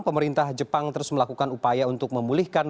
pemerintah jepang terus melakukan upaya untuk memulihkan